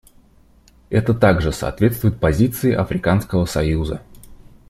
Это также соответствует позиции Африканского союза.